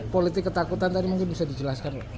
politik ketakutan tadi mungkin bisa dijelaskan